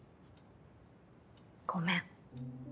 ごめん